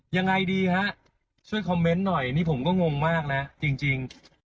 ยังไงดีฮะช่วยคอมเมนต์หน่อยนี่ผมก็งงมากนะจริง